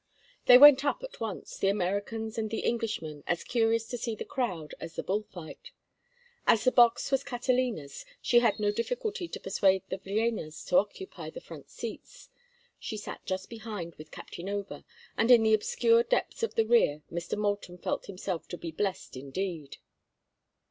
They went up at once, the Americans and the Englishman as curious to see the crowd as the bull fight. As the box was Catalina's she had no difficulty to persuade the Villénas to occupy the front seats; she sat just behind with Captain Over, and in the obscure depths of the rear Mr. Moulton felt himself to be blest indeed.